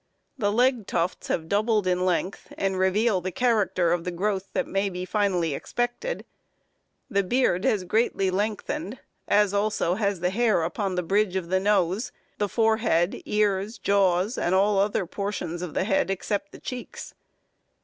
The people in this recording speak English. The leg tufts have doubled in length, and reveal the character of the growth that may be finally expected. The beard has greatly lengthened, as also has the hair upon the bridge of the nose, the forehead, ears, jaws, and all other portions of the head except the cheeks.